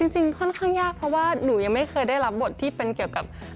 จริงค่อนข้างยากเพราะว่าหนูยังไม่เคยได้รับบทที่เป็นเกี่ยวกับ